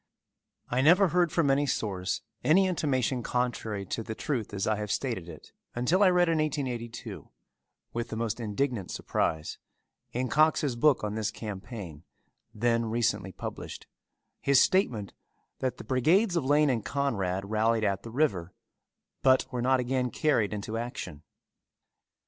I never heard from any source any intimation contrary to the truth as I have stated it until I read in 1882, with the most indignant surprise, in Cox's book on this campaign, then recently published, his statement that the brigades of Lane and Conrad rallied at the river but were not again carried into action.